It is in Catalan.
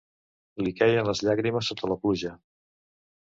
Li quèien les llàgrimes sota la pluja